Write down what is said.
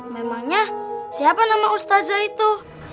memangnya siapa nama ustazah itu